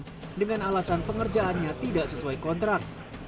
karena alasan pengerjaannya tidak sesuai kontrak